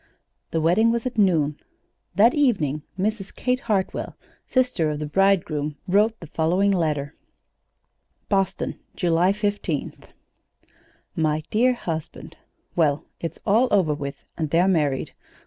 The wedding was at noon. That evening Mrs. Kate Hartwell, sister of the bridegroom, wrote the following letter: BOSTON, July 15th. "MY DEAR HUSBAND: Well, it's all over with, and they're married.